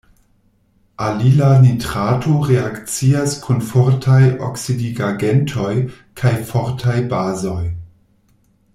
Alila nitrato reakcias kun fortaj oksidigagentoj kaj fortaj bazoj.